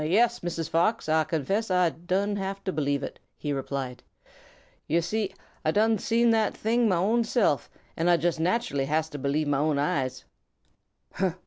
"Yes, Mrs. Fox, Ah confess Ah done have to believe it," he replied. "Yo' see, Ah done see that thing mah own self, and Ah just naturally has to believe mah own eyes."